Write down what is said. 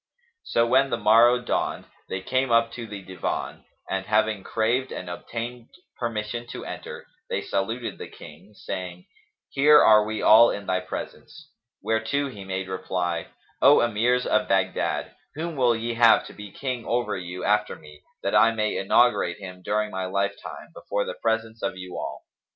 So when the morrow dawned, they came up to the Divan and, having craved and obtained permission to enter, they saluted the King, saying, "Here are we all in thy presence." Whereto he made reply, "O Emirs of Baghdad, whom will ye have to be King over you after me, that I may inaugurate him during my lifetime, before the presence of you all?"